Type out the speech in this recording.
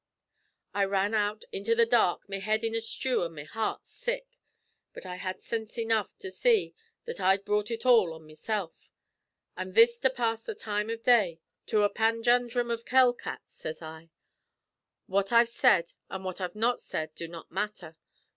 "I ran out into the dhark, me head in a stew an' me heart sick, but I had sinse enough to see that I'd brought ut all on mesilf. 'It's this to pass the time av day to a panjandhrum of hell cats,' sez I. 'What I've said an' what I've not said do not matther.